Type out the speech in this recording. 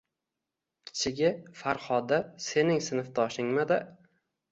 Kichigi, Farhodi sening sinfdoshingmidi